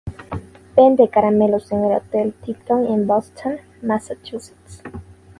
Vende caramelos en el Hotel Tipton, en Boston, Massachusetts.